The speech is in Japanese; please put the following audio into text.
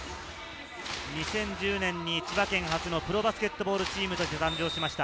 ２０１０年に千葉県初のプロバスケットボールチームとして、誕生しました。